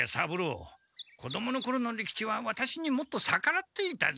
子どものころの利吉はワタシにもっとさからっていたぞ。